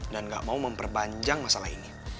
dan nggak mau memperbanjang masalah ini